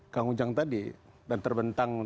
kang ujang tadi dan terbentang